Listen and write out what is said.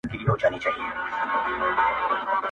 د تورې شپې بلا ېواځې تۀ راغلې بۀ وى